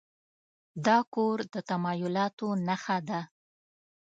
دا کور د تمایلاتو نښه ده.